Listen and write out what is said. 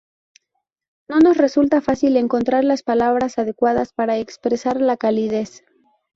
No nos resulta fácil encontrar las palabras adecuadas para expresar la calidez.